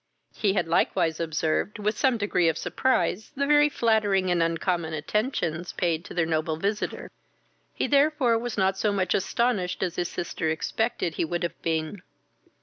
He had likewise observed, with some degree of surprise, the very flattering and uncommon attentions paid to their noble visitor; he therefore was not so much astonished as his sister expected he would have been.